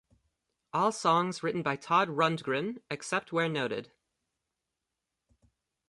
All songs written by Todd Rundgren, except where noted.